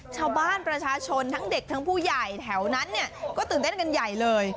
ชาวบ้านประชาชนทั้งเด็กทั้งผู้ใหญ่แถวนั้นเนี่ยก็ตื่นเต้นกันใหญ่เลย